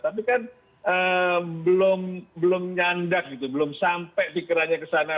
tapi kan belum nyandak gitu belum sampai pikirannya kesana